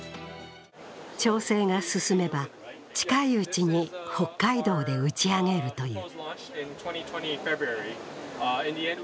調整が進めば近いうちに北海道で打ち上げるという。